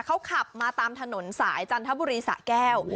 เขาขับมาตามถนนสายจันทบุรีสะแก้ว